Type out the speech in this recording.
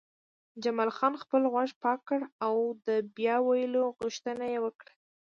جمال خان خپل غوږ پاک کړ او د بیا ویلو غوښتنه یې وکړه